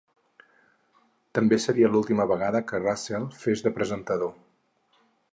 També seria l'última vegada que Russell fes de presentador.